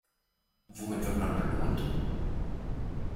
Womit wird man belohnt?